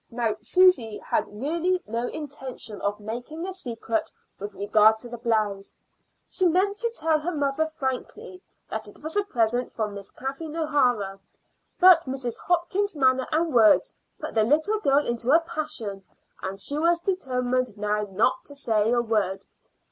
Now Susy had really no intention of making a secret with regard to the blouse. She meant to tell her mother frankly that it was a present from Miss Kathleen O'Hara, but Mrs. Hopkins's manner and words put the little girl into a passion, and she was determined now not to say a word.